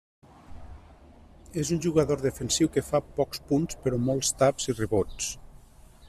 És un jugador defensiu que fa pocs punts però molts taps i rebots.